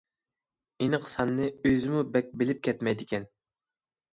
ئېنىق سانىنى ئۆزىمۇ بەك بىلىپ كەتمەيدىكەن.